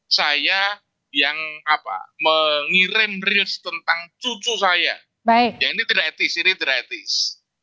saya yang mengirim rilis tentang cucu saya yang ini tidak etis ini dratis